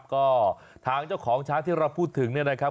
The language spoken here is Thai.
ก็ทางเจ้าของช้างที่เราพูดถึงเนี่ยนะครับ